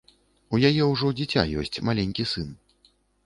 У яе ўжо дзіця ёсць, маленькі сын.